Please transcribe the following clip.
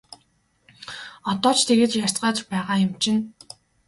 Одоо ч тэгж ярьцгааж байгаа юм чинь!